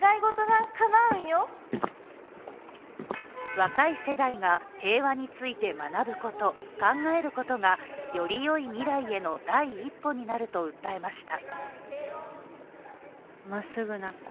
若い世代が平和について学ぶこと考えることがよりよい未来への第一歩になると訴えました。